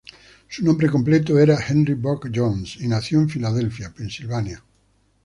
Su nombre completo era Henry Burk Jones, y nació en Filadelfia, Pensilvania.